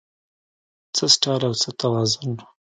څه سټایل او څه توازن